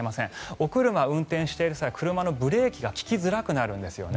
お車を運転している際車のブレーキが利きづらくなるんですよね。